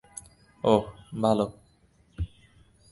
ওহ, ভালো!